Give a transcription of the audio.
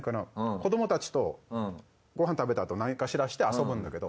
子どもたちとごはん食べたあと何かしらして遊ぶんだけど。